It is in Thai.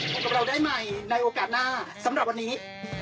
พบกับเราได้ใหม่ในโอกาสหน้าสำหรับวันนี้